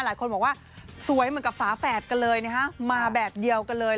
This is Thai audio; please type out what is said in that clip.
หลายคนบอกว่าสวยเหมือนกับฝาแฝดกันเลยนะฮะมาแบบเดียวกันเลย